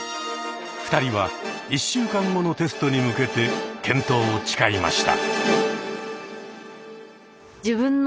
２人は１週間後のテストに向けて健闘を誓いました。